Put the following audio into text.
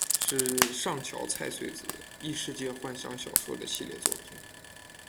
是上桥菜穗子异世界幻想小说的系列作品。